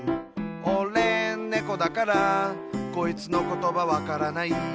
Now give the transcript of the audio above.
「おれ、ねこだからこいつの言葉わからない」